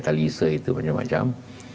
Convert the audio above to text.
talisa itu macam macam